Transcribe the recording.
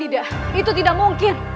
tidak itu tidak mungkin